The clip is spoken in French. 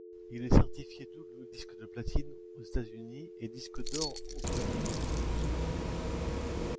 Il est certifié double disque de platine aux États-Unis et disque d'or au Royaume-Uni.